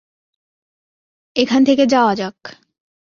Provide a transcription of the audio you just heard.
এখান থেকে যাওয়া যাক।